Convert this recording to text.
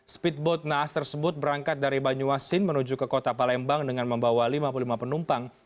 speedboat naas tersebut berangkat dari banyuasin menuju ke kota palembang dengan membawa lima puluh lima penumpang